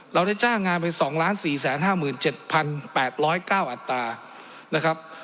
เราได้จ้างงานไปสองล้านสี่แสนห้าหมื่นเจ็ดพันแปดร้อยเก้าอัตรานะครับ